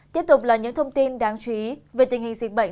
tiếp tục là những thông tin đáng chú ý về tình hình dịch bệnh